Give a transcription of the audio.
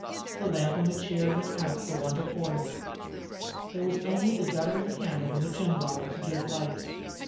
The lamp on the chair went out for want of oil. There was only the guttering candle in the gin bottle to give light.